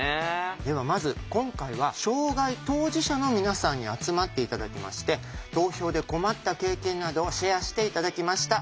ではまず今回は障害当事者の皆さんに集まって頂きまして投票で困った経験などをシェアして頂きました。